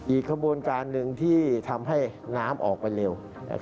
ขบวนการหนึ่งที่ทำให้น้ำออกไปเร็ว